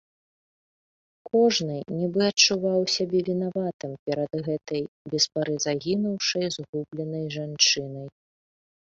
Кожны нібы адчуваў сябе вінаватым перад гэтай без пары загінуўшай, згубленай жанчынай.